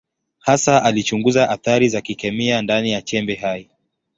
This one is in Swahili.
Hasa alichunguza athari za kikemia ndani ya chembe hai.